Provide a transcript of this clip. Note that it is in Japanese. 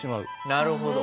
なるほど。